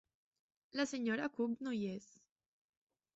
La senyora Cook no hi és.